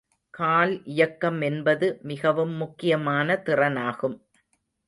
கால் இயக்கம் என்பது மிகவும் முக்கியமான திறனாகும்.